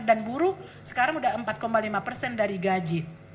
dan buruh sekarang sudah empat lima dari gaji